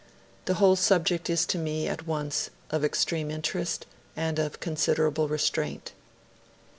The whole subject is to me at once of extreme interest and of considerable restraint.'